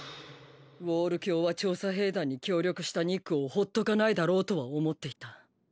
ウォール教は調査兵団に協力したニックをほっとかないだろうとは思っていた。